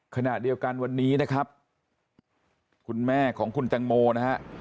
ขณะเดียวกันวันนี้นะครับคุณแม่ของคุณแตงโมนะฮะ